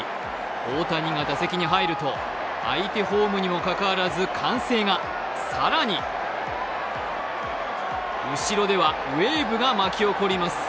大谷が打席に入ると相手ホームにもかかわらず歓声が、更に後ろではウエーブが巻き起こります。